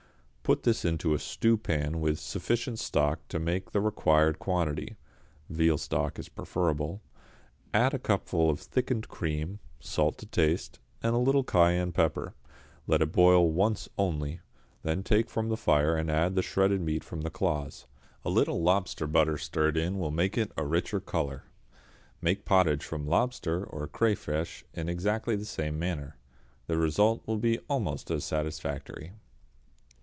Put this into a stewpan with sufficient stock to make the required quantity (veal stock is preferable), add a cupful of thickened cream, salt to taste, and a little cayenne pepper, let it boil once only, then take from the fire and add the shredded meat from the claws. A little lobster butter stirred in will make it a richer colour. Make potage from lobster or crayfish in exactly the same manner. The result will be almost as satisfactory.